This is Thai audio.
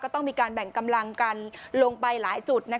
ต้องมีการแบ่งกำลังกันลงไปหลายจุด